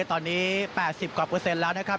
ตอนนี้๘๐กว่าเปอร์เซ็นต์แล้วนะครับ